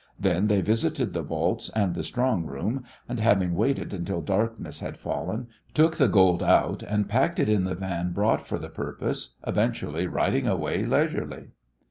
Then they visited the vaults and the strong room, and, having waited until darkness had fallen, took the gold out and packed it in the van brought for the purpose, eventually riding away leisurely.